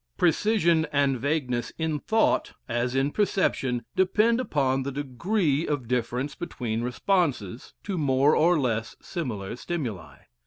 Precision and vagueness in thought, as in perception, depend upon the degree of difference between responses to more or less similar stimuli.